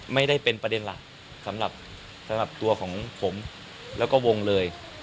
ไม่ได้เป็นประเด็นหลักสำหรับตัวของผมแล้วก็วงเลย